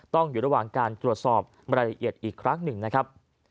อยู่ระหว่างการตรวจสอบรายละเอียดอีกครั้งหนึ่งนะครับ